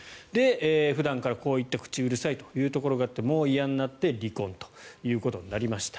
普段からこういった口うるさいというところがあってもう嫌になって離婚ということになりました。